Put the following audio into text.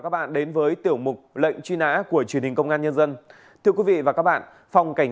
bản tin của bản tin này